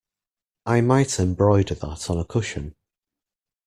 I might embroider that on a cushion.